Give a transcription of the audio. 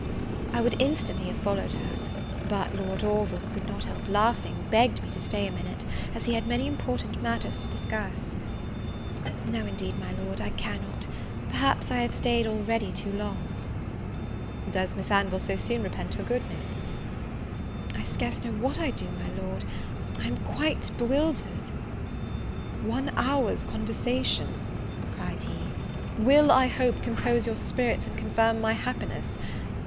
I would instantly have followed her; but Lord Orville, who could not help laughing, begged me to stay a minute, as he had many important matters to discuss. "No, indeed, my Lord, I cannot, perhaps I have already stayed too long." "Does Miss Anville so soon repent her goodness?" "I scarce know what I do, my Lord, I am quite bewildered!" "One hour's conversation," cried he, "will, I hope, compose your spirits, and confirm my happiness.